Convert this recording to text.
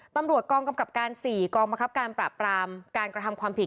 ตำรวจกองกำกับการ๔กองบังคับการปราบปรามการกระทำความผิด